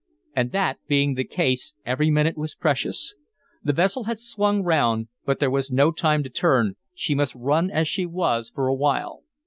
And that being the case every minute was precious; the vessel had swung round, but there was no time to turn she must run as she was for a while.